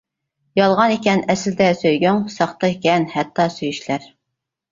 يالغان ئىكەن ئەسلىدە سۆيگۈڭ، ساختا ئىكەن ھەتتا سۆيۈشلەر.